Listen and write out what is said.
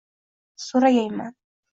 So’ragayman: